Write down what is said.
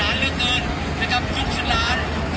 มาแล้วครับพี่น้อง